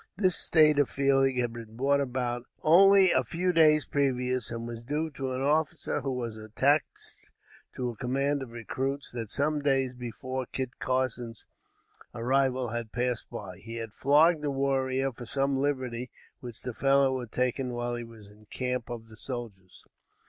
This state of feeling had been brought about only a few days previous, and was due to an officer who was attached to a command of recruits that some ten days before Kit Carson's arrival had passed by. He had flogged a warrior for some liberty which the fellow had taken while he was in the camp of the soldiers.